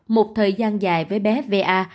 một thời gian dài với bé va